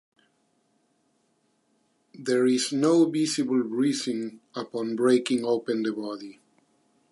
There is no visible bruising upon breaking open the body.